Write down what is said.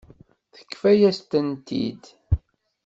Tefka-yas-tent-id.